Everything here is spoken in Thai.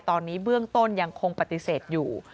ตอนนี้เบื้องต้นยังคงปฏิเสธอยู่